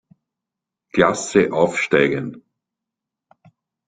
Klasse aufsteigen.